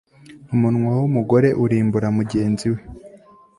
umunwa w'umugome urimbura mugenzi we